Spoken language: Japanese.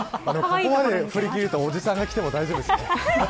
ここまで振り切るとおじさんが着ても大丈夫ですね。